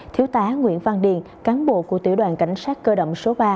thiếu tá nguyễn văn điền cán bộ của tiểu đoàn cảnh sát cơ động số ba